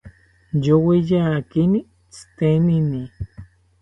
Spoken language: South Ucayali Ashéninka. Yoweyakini tzitenini